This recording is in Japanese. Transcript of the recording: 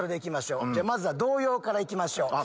じゃあまずは童謡から行きましょう。